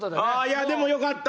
いやでもよかった。